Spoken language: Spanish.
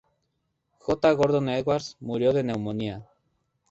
J. Gordon Edwards murió de neumonía.